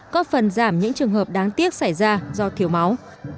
có phần giảm những trường hợp đáng tiếc xảy ra do thiếu máu